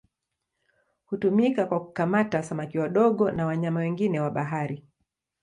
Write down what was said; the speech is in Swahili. Hutumika kwa kukamata samaki wadogo na wanyama wengine wa bahari.